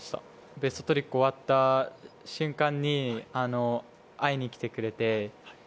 ベストトリックが終わった瞬間に会いに来てくれて。